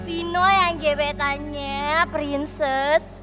vino yang gebetannya prinses